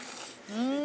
うん。